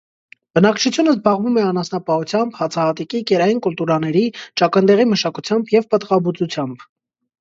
Բնակչությունը զբաղվում է անասնապահությամբ, հացահատիկի, կերային կուլտուրաների, ճակնդեղի մշակությամբ և պտղաբուծությամբ։